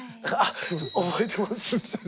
覚えてます？